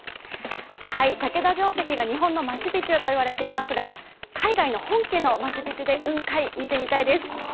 竹田城跡が日本のマチュピチュといわれていますが海外の本家のマチュピチュで雲海、見てみたいです。